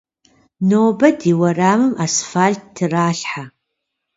Нобэ ди уэрамым асфалът тралъхьэ.